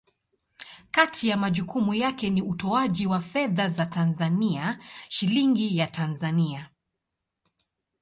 Kati ya majukumu yake ni utoaji wa fedha za Tanzania, Shilingi ya Tanzania.